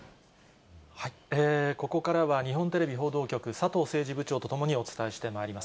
ここからは日本テレビ報道局、佐藤政治部長と共にお伝えしてまいります。